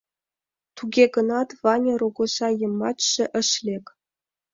Туге гынат Ваня рогоза йымачше ыш лек.